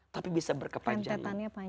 tapi bisa berkepanjangan